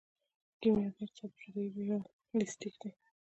د کیمیاګر سبک جادويي ریالستیک دی.